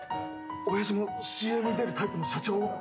親父もＣＭに出るタイプの社長を？